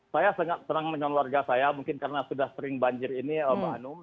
saya sangat senang mencoba warga saya mungkin karena sudah sering banjir ini bahanum